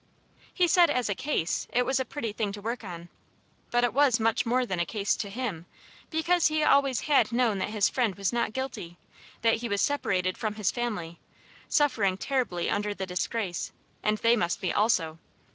He said as a Case, it was a pretty thing to work on; but it was much more than a case to him, because he always had known that his friend was not guilty; that he was separated from his family, suffering terribly under the disgrace, and they must be also.